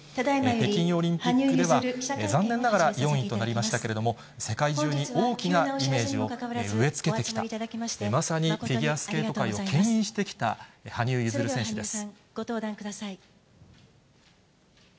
北京オリンピックでは残念ながら４位となりましたけれども、世界中に大きなイメージを植え付けてきた、まさにフィギュアスケート界をけん引してきた羽生結弦選手です。